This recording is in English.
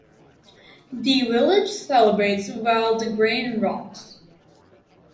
The village celebrates while the grain rots.